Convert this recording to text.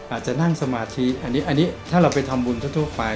อาจจะนั่งสมาธิอันนี้ถ้าเราไปทำบุญทั่วไป